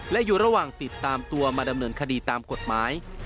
และอยู่ระหว่างติดตามตัวมาดำเนินคดีตามกฎหมาย